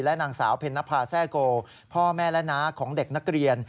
นางสาวเพ็ญนภาแซ่โกพ่อแม่และน้าของเด็กนักเรียน